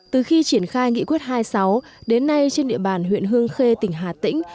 từ khi triển khai nghị quyết hai mươi sáu đến nay trên địa bàn huyện hương khê tỉnh hà tĩnh